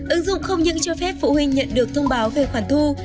ứng dụng không những cho phép phụ huynh nhận được thông báo về khoản thu